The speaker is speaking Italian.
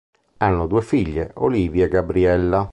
Hanno due figlie, Olivia e Gabriella.